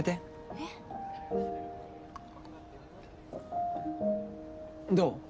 えっ？どう？